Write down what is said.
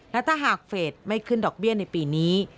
และถ้าหากเฟสไม่ขึ้นดอกเบี้ยในปีนี้